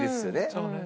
そうね。